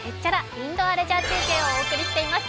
インドアレジャー中継」をお送りしています。